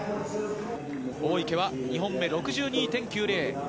大池は２本目、６２．９０。